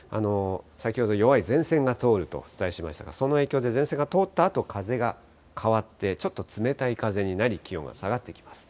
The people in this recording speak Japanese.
先ほど弱い前線が通るとお伝えしましたが、その影響で前線が通ったあと、風が変わって、ちょっと冷たい風になり、気温が下がってきます。